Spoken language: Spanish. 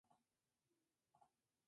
Zeus así lo hizo.